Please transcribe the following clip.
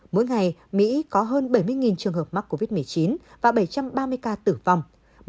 mỗi ngày mỹ có hơn bảy mươi trường hợp mắc covid một mươi chín và bảy trăm ba mươi ca tử vong